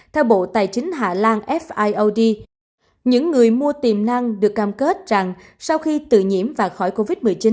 theo bộ tài chính hà lan fiod những người mua tiềm năng được cam kết rằng sau khi tự nhiễm và khỏi covid một mươi chín